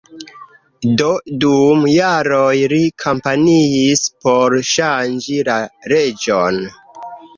Do dum jaroj li kampanjis por ŝanĝi la leĝon.